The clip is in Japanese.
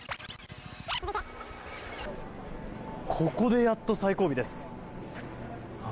ここでやっと最後尾です。